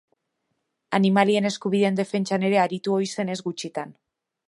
Animalien eskubideen defentsan ere aritu ohi zen ez gutxitan.